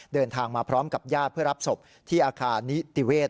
เดินทางมาพร้อมกับญาติเพื่อรับศพที่อาคารนิติเวศ